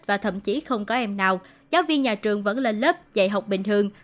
và thậm chí không có em nào giáo viên nhà trường vẫn lên lớp dạy học bình thường